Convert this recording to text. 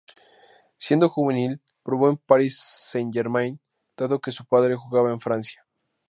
Siendo juvenil probó en París Saint-Germain dado que su padre jugaba en Francia.